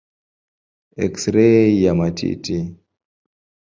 Eksirei ya matiti.